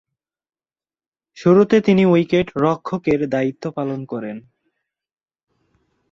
শুরুতে তিনি উইকেট-রক্ষকের দায়িত্ব পালন করেন।